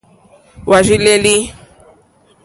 Hwá rzí lélí.